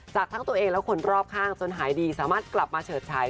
จากทั้งตัวเองและคนรอบข้างจนหายดีสามารถกลับมาเฉิดฉาย